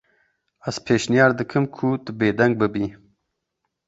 Ez pêşniyar dikim ku tu bêdeng bibî.